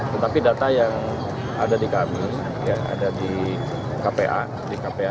tetapi data yang ada di kami ada di kpa di kpa